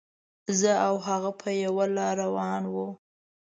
زه او هغه په یوه لاره روان وو.